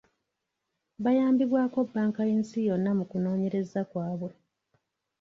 Bayambibwako bbanka y'ensi yonna mu kunoonyereza kwabwe.